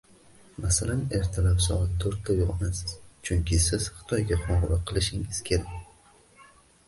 Masalan, ertalab soat to'rtda uygʻonasiz, chunki siz Xitoyga qoʻngʻiroq qilishingiz kerak.